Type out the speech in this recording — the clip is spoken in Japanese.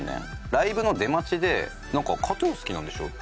ライブの出待ちで「ＫＡＴ−ＴＵＮ好きなんでしょ？」